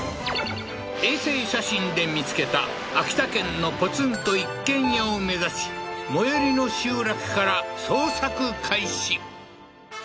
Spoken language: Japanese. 衛星写真で見つけた秋田県のポツンと一軒家を目指し最寄りの集落から捜索開始